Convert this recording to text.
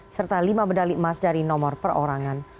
serta lima medali emas dari nomor perorangan